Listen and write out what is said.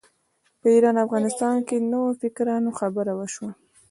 په ایران او افغانستان کې د نوفکرانو خبره وشوه.